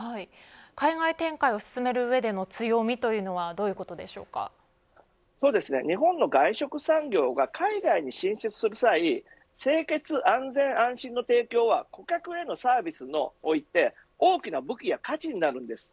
海外展開を進める上での強みとは日本の外食産業が海外に進出する際清潔、安全安心の提供は顧客へのサービスで大きな武器や価値になるんです。